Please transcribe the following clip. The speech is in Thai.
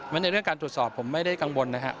ในเรื่องการตรวจสอบผมไม่ได้กังวลนะครับ